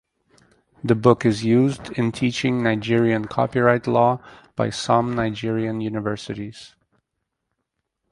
The book is used in teaching Nigerian copyright law by some Nigerian universities.